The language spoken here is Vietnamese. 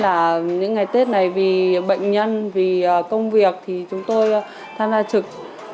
là những ngày tết này vì bệnh nhân vì công việc thì chúng tôi tham gia trực